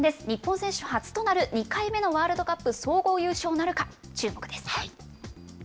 日本選手初となる２回目のワールドカップ総合優勝なるか、注目です。